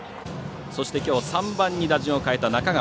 そして、きょう３番に打順を変えた中川。